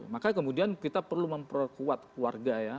maka kemudian kita perlu memperkuat keluarga ya